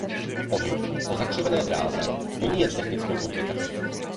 Pohyb po zakřivené dráze není jen technickou komplikací.